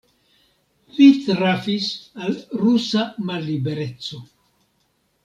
Li trafis al rusa mallibereco.